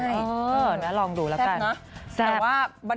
อือมาลองดูละกัน